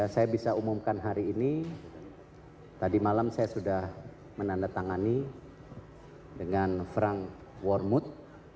saya bisa umumkan hari ini tadi malam saya sudah menandatangani dengan frank warmut